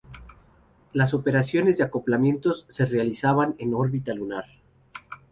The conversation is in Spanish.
Las operaciones de acoplamiento se realizaban en órbita lunar.